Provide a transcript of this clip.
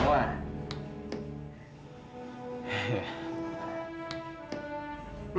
beres kamu tuh kamu lah